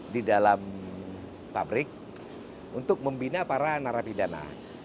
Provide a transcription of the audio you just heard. di dalam pabrik untuk membina para narapidana